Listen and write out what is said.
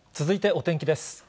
続いてお天気です。